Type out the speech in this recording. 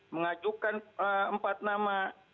mengajukan empat nama